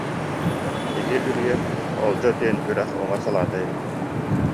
Ити үрүйэ Олдьо диэн үрэх уҥа салаата эбит